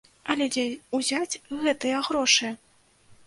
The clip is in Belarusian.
Але дзе ўзяць гэтыя грошы?